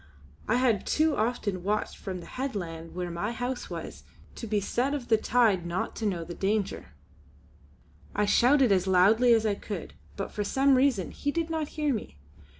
I had too often watched from the headland where my home was to be the set of the tide not to know the danger. I shouted as loudly as I could, but for some reason he did not hear me.